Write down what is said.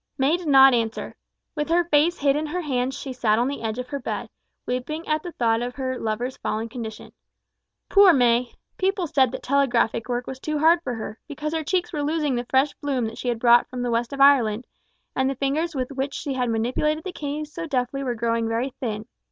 May did not answer. With her face hid in her hands she sat on the edge of her bed, weeping at the thought of her lover's fallen condition. Poor May! People said that telegraphic work was too hard for her, because her cheeks were losing the fresh bloom that she had brought from the west of Ireland, and the fingers with which she manipulated the keys so deftly were growing very thin.